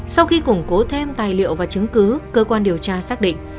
sau khi củng cố thêm tài liệu và chứng cứ cơ quan điều tra xác định